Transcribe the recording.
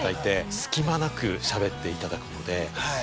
隙間なくしゃべっていただくので。